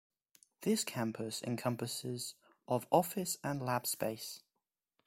This campus encompasses of office and lab space.